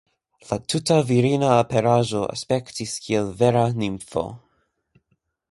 La tuta virina aperaĵo aspektis kiel vera nimfo.